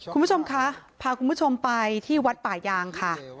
คุณผู้ชมคะพาคุณผู้ชมไปที่วัดป่ายางค่ะ